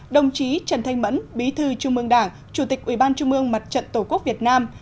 đồng chí trần thanh mẫn bí thư trung ương đảng chủ tịch ủy ban trung mương mặt trận tổ quốc việt nam